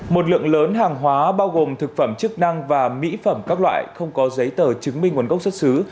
một lượng lớn hàng hóa bao gồm thực phẩm chức năng và mỹ phẩm các loại không có giấy tờ chứng minh nguồn gốc xuất xứ